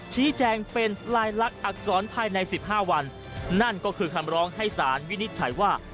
ชี้แจงเป็นลายลักษณอักษรภายในสิบห้าวันนั่นก็คือคำร้องให้สารวินิจฉัยว่า